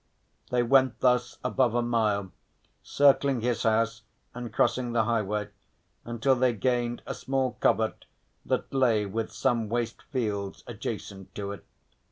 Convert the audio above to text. They went thus above a mile, circling his house and crossing the highway until they gained a small covert that lay with some waste fields adjacent to it.